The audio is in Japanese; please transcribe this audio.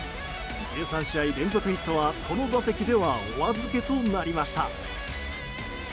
１３試合連続ヒットはこの打席ではおあずけとなりました。